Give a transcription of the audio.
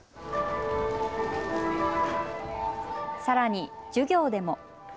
さらに授業でも。